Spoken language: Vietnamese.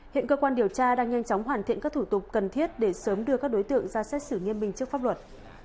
hiện cơ quan điều tra đang nhanh chóng hoàn thiện các thủ tục cần thiết để sớm đưa các đối tượng ra xét xử nghiêm minh trước pháp luật